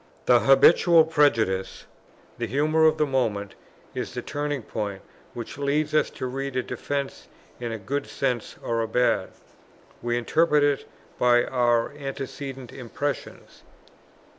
The habitual prejudice, the humour of the moment, is the turning point which leads us to read a defence in a good sense or a bad. We interpret it by our antecedent impressions.